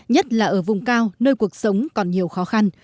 nhất là ở vùng cao nơi cuộc sống còn nhiều khó khăn